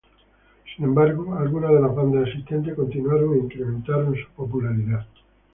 Sin embargo, algunas de las bandas existentes continuaron e incrementaron su popularidad.